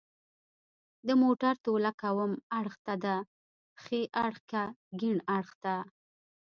د موټر توله کوم اړخ ته ده ښي اړخ که کیڼ اړخ ته